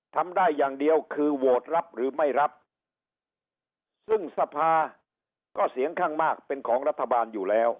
ทำได้อย่างเดียวคือโหวตรับหรือไม่รับซึ่งสภาก็เสียงข้างมากเป็นของรัฐบาลอยู่แล้ว